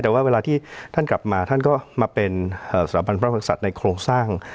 แต่ว่าเวลาที่ท่านกลับมาท่านก็มาเป็นสถาบันพระมกษัตริย์ในโครงสร้าง